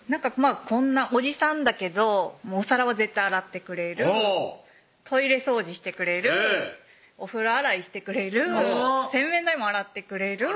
こんなおじさんだけどお皿は絶対洗ってくれるトイレ掃除してくれるお風呂洗いしてくれる洗面台も洗ってくれるあら